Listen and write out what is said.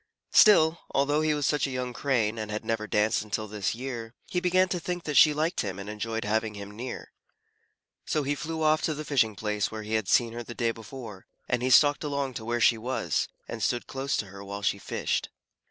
Still, although he was such a young Crane and had never danced until this year, he began to think that she liked him and enjoyed having him near. So he flew off to the fishing place where he had seen her the day before, and he stalked along to where she was, and stood close to her while she fished.